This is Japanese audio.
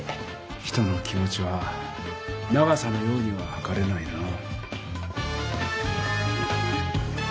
人の気持ちは長さのようにははかれないなぁ。